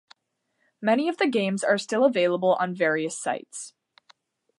Many of the games are still available on various sites.